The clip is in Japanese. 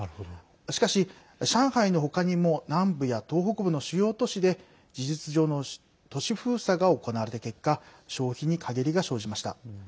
しかし、上海のほかにも南部や東北部の主要都市で事実上の都市封鎖が行われた結果消費にかげりが生じました。